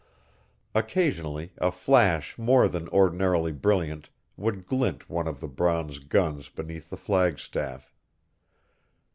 Occasionally a flash more than ordinarily brilliant would glint one of the bronze guns beneath the flag staff.